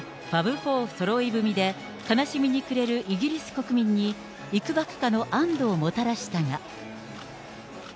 ４そろい踏みで、悲しみに暮れるイギリス国民に、いくばくかの安どをもたらしたが。